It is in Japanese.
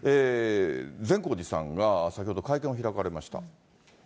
善光寺さんが先ほど会見を開かれました。